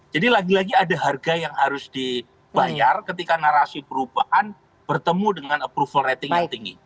jadi lagi lagi ada harga yang harus dibayar ketika narasi perubahan bertemu dengan approval rating yang tinggi